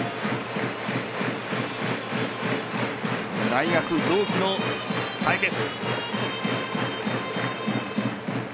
大学同期の対決。